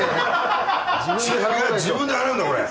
自分で払うんだこれ。